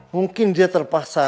mungkin dia terpasang